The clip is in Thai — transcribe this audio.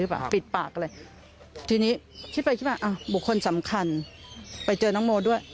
คราวนี้คิดไปบุคคลสำคัญไปเจอน้องโมด้วย